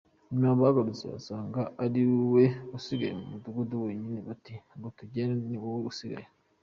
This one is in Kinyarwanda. Nyuma bagarutse basanga ariwe usigaye mu mudugudu wenyine, bati ngo tujyende ni wowe usigaye !